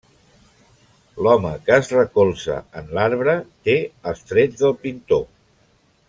L'home que es recolza en l'arbre té els trets del pintor.